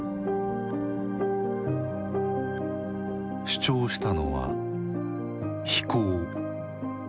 主張したのは「非攻」。